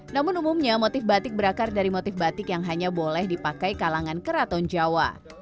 namun umumnya motif batik berakar dari motif batik yang hanya boleh dipakai kalangan keraton jawa